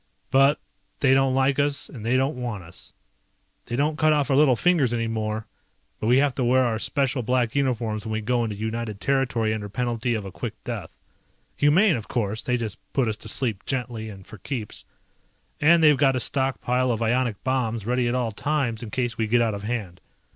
But they don't like us and they don't want us. They don't cut off our little fingers anymore, but we have to wear our special black uniforms when we go into United territory under penalty of a quick death. Humane, of course, they just put us to sleep gently and for keeps. And they've got a stockpile of ionic bombs ready at all times in case we get out of hand.